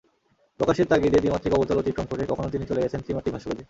প্রকাশের তাগিদে দ্বিমাত্রিক অবতল অতিক্রম করে কখনো তিনি চলে গেছেন ত্রিমাত্রিক ভাস্কর্যে।